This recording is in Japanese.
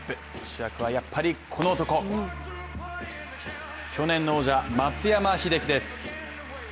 主役はやっぱりこの男、去年の王者、松山英樹です。